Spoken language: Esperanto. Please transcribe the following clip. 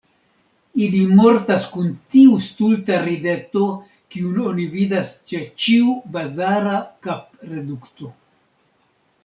Ili mortas kun tiu stulta rideto, kiun oni vidas ĉe ĉiu bazara kapredukto.